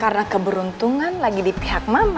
karena keberuntungan lagi di pihak mama